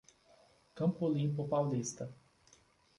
Campo Limpo Paulista